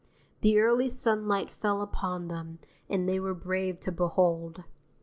The early sunlight fell upon them and they were brave to behold.